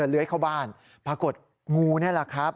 เลื้อยเข้าบ้านปรากฏงูนี่แหละครับ